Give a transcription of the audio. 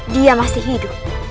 dia masih hidup